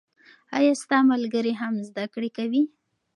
آیا ستا ملګري هم زده کړې کوي؟